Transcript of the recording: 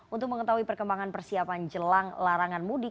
untuk mengetahui perkembangan persiapan jelang larangan mudik